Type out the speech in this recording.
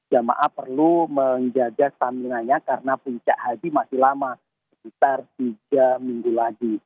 jamaah perlu menjaga stamina nya karena puncak haji masih lama sekitar tiga minggu lagi